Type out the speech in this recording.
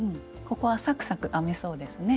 ここはサクサク編めそうですね。